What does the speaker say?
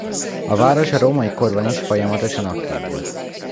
A város a római korban is folyamatosan aktív volt.